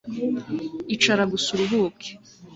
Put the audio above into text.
icara gusa uruhuke